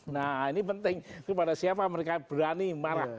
nah ini penting kepada siapa mereka berani marah